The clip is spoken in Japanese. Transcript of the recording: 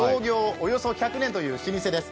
およそ１００年という老舗です。